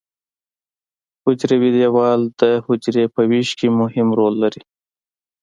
حجروي دیوال د حجرې په ویش کې مهم رول لري.